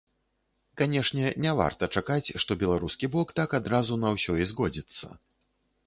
Канешне, не варта чакаць, што беларускі бок так адразу на ўсё і згодзіцца.